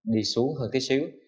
đi xuống hơn tí xíu